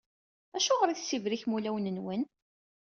Acuɣer i tessibrikem ulawen-nwen?